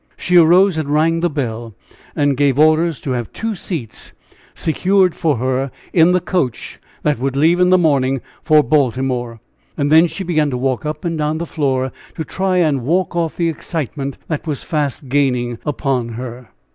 She arose and rang the bell, and gave orders to have two seats secured for her in the coach that would leave in the morning for Baltimore. And then she began to walk up and down the floor, to try and walk off the excitement that was fast gaining upon her.